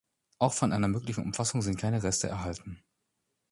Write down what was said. Auch von einer möglichen Umfassung sind keine Reste erhalten.